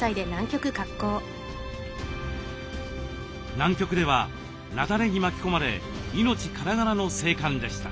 南極では雪崩に巻き込まれ命からがらの生還でした。